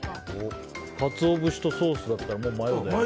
カツオ節とソースだったらもう、マヨだよね。